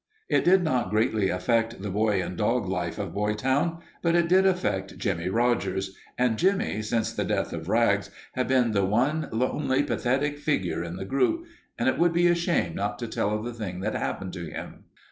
It did not greatly affect the boy and dog life of Boytown. But it did affect Jimmie Rogers, and Jimmie, since the death of Rags, had been the one lonely, pathetic figure in the group. It would be a shame not to tell of the thing that happened to him.